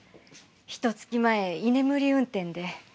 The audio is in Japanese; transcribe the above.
ひと月前居眠り運転で。